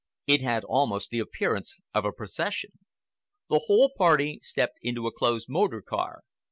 It had almost the appearance of a procession. The whole party stepped into a closed motor car.